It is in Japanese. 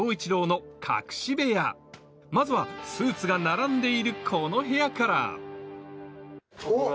まずはスーツが並んでいるこの部屋からおおっ！